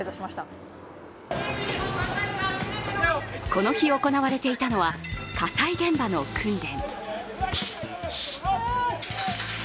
この日、行われていたのは火災現場の訓練。